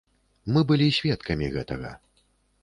Мы былі сведкамі гэтага.